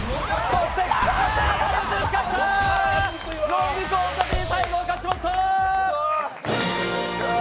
ロングコートダディ最後、勝ちました！